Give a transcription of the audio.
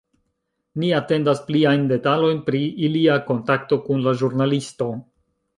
Ni atendas pliajn detalojn pri ilia kontakto kun la ĵurnalisto.